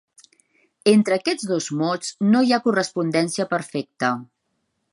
Entre aquests dos mots no hi ha correspondència perfecta.